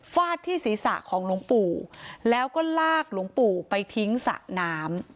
ฟาดที่ศีรษะของหลวงปู่แล้วก็ลากหลวงปู่ไปทิ้งสระน้ำ